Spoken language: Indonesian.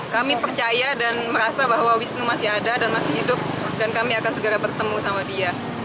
kami percaya dan merasa bahwa wisnu masih ada dan masih hidup dan kami akan segera bertemu sama dia